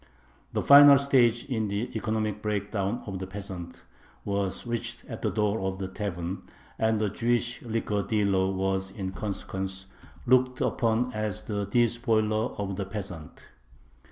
The final stage in the economic breakdown of the peasant was reached at the door of the tavern, and the Jewish liquor dealer was in consequence looked upon as the despoiler of the peasant.